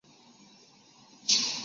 瘰鳞蛇主要进食鱼类。